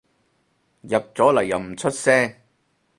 入咗嚟又唔出聲